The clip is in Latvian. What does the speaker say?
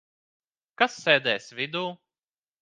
Kas sēdēs vidū?